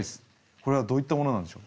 これはどういったものなんでしょう？